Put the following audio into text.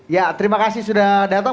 ya terima kasih sudah datang